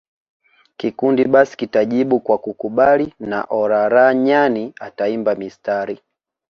Kikundi basi kitajibu kwa kukubali na Olaranyani ataimba mistari